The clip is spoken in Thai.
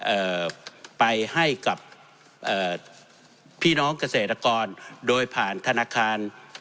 เอ่อไปให้กับเอ่อพี่น้องเกษตรกรโดยผ่านธนาคาร